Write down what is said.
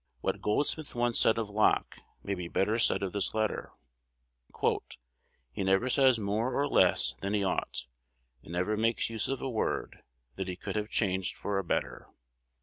What Goldsmith once said of Locke may better be said of this letter: "He never says more nor less than he ought, and never makes use of a word that he could have changed for a better."